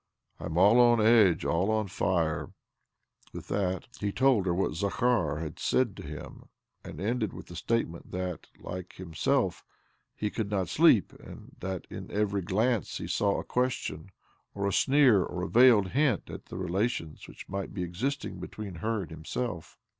" I am all on edge, all on fire." OBLOMOV 22 1 With that he told her what Zakhar had said to him, and ended with a statement that, hke herself, he could not sleep, and that in every glance he 'saw a question, or a sneer, or a veiled hint at the relations which might be existing between her and himself.